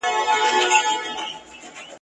نه پوهیږو چي په کوم ځای کي خوږمن یو ..